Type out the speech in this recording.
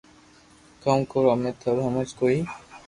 ڪاوُ ڪرو امي ٿارو ھمج ڪوئي ّ